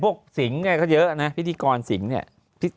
สิงห์เนี่ยก็เยอะนะพิธีกรสิงห์เนี่ย